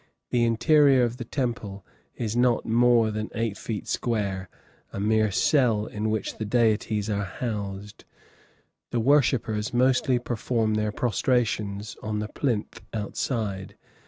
The interior of the temple is not more than eight feet square, a mere cell in which the deities are housed; the worshippers mostly perform their prostrations on the plinth outside.